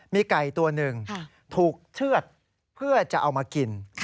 มีไก่ตัวหนึ่งถูกเชื่อดเพื่อจะเอามากิน